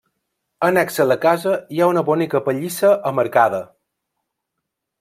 Annex a la casa hi ha una bonica pallissa amb arcada.